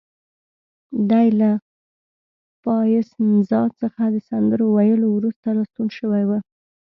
دی له پایسنزا څخه د سندرو ویلو وروسته راستون شوی و.